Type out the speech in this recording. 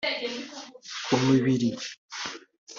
ku mubiri